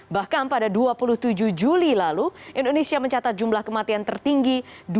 bahkan pada dua puluh tujuh juli lalu indonesia mencatat jumlah kematian tertinggi dua enam puluh sembilan